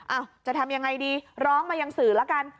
จะทำยังไงดีร้องมายังสื่อละกัน